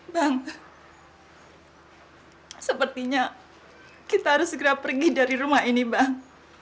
bang sepertinya kita harus segera pergi dari rumah ini bang